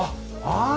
ああ！